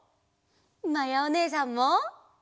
まやおねえさんも！